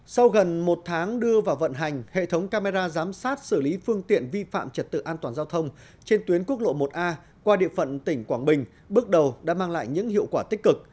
sau gần một tháng đưa vào vận hành hệ thống camera giám sát xử lý phương tiện vi phạm trật tự an toàn giao thông trên tuyến quốc lộ một a qua địa phận tỉnh quảng bình bước đầu đã mang lại những hiệu quả tích cực